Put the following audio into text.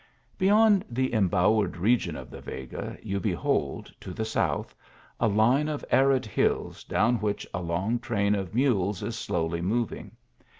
Beyond the embowered reg ; on of the Vega you behold, to the south, a line of arid hills down which a long train of mules is slowly moving.